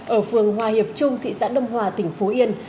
ở phường hòa hiệp trung thị xã đông hòa tỉnh phú yên